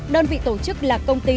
đơn vị tổ chức là công ty